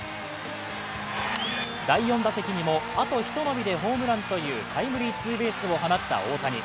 第４打席にもあと一伸びでホームランというタイムリーツーベースを放った大谷。